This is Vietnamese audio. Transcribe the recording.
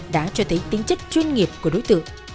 đã cho thấy tính chất chuyên nghiệp của đối tượng